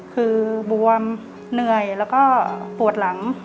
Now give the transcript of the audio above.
คือบวมน่าเงียบและปวดหลัง